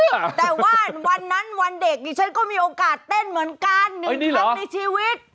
แต่ว่าวันนั้นวันเด็กดิฉันก็มีโอกาสเต้นเหมือนกันหนึ่งครั้งในชีวิต